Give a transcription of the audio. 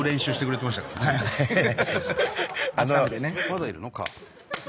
まだいるの？